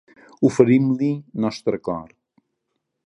oferim-li nostre cor